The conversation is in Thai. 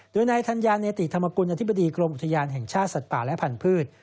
โดยนายธัญญาเนติธรรมกุลอธิบดีกรมอุทยานแห่งชาติสัตว์ป่าและพันธุ์